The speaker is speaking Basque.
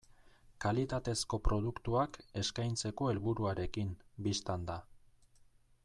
Kalitatezko produktuak eskaintzeko helburuarekin, bistan da.